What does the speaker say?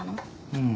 うん。